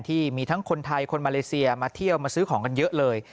ที่มีทั้งคนไทยคนมาเลเซียมาเที่ยวมาซื้อของกันเยอะเลย